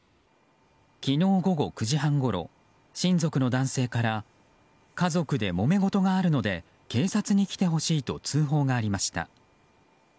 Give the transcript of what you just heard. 昨日午後９時半ごろ親族の男性から家族でもめ事があるので警察に来てほしいと通報がありました。